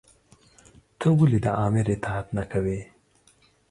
تۀ ولې د آمر اطاعت نۀ کوې؟